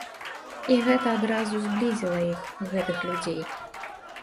І гэта адразу зблізіла іх, гэтых людзей.